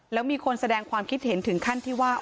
แล้วมีคนแสดงความคิดเห็นถึงขั้นที่ว่า